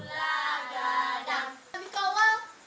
kami kawal dengan segenap jiwa